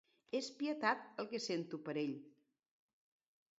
És pietat el que sento per ell.